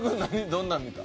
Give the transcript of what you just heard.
どんなん見た？